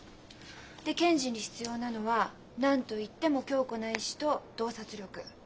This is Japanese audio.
で検事に必要なのは何といっても強固な意志と洞察力。